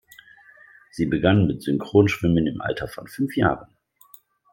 Sie begann mit Synchronschwimmen im Alter von fünf Jahren.